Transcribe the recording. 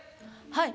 はい。